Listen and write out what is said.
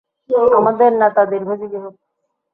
আমাদের নেতা দীর্ঘজীবী হোক।